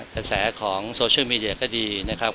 กระแสของโซเชียลมีเดียก็ดีนะครับ